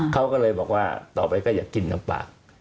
เขาก็เลยบอกว่าต่อไปก็อย่ากินน้ำปาก